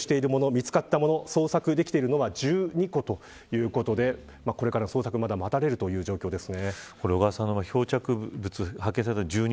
見つかったもの捜索できているのは１２個ということでこれからの捜索がまだ待たれる状況です。